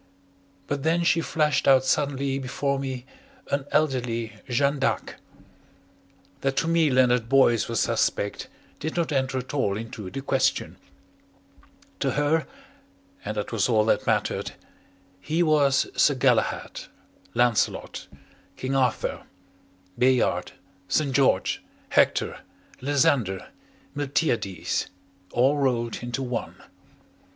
But then she flashed out suddenly before me an elderly Jeanne d'Arc. That to me Leonard Boyce was suspect did not enter at all into the question. To her and that was all that mattered he was Sir Galahad, Lancelot, King Arthur, Bayard, St. George, Hector, Lysander, Miltiades, all rolled into one.